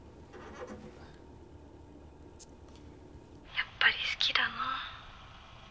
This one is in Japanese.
やっぱり好きだな。